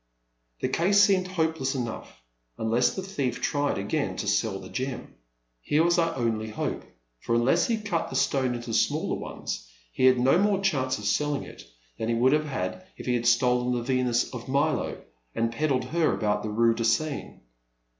The case seemed hopeless enough, un less the thief tried again to sell the gem. Here was our only hope, for, unless he cut the stone into smaller ones, he had no more chance of sell ing it than he would have had if he had stolen the Venus of Milo and peddled her about the rue de Seine.